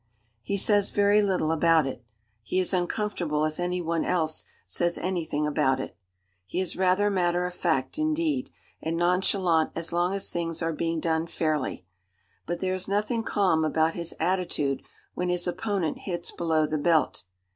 He says very little about it. He is uncomfortable if any one else says anything about it. He is rather matter of fact, indeed, and nonchalant as long as things are being done fairly. But there is nothing calm about his attitude when his opponent hits below the belt.